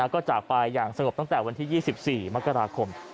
ก็จากไปอย่างสงบตั้งแต่วันที่๒๔มกราคม